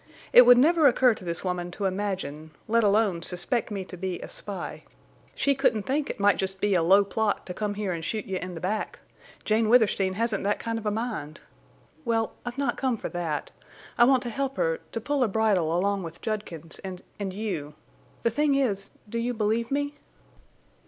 It would never occur to this woman to imagine—let alone suspect me to be a spy. She couldn't think it might just be a low plot to come here and shoot you in the back. Jane Withersteen hasn't that kind of a mind.... Well, I've not come for that. I want to help her—to pull a bridle along with Judkins and—and you. The thing is—do you believe me?"